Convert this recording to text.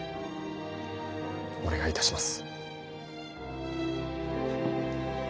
お願いいたします。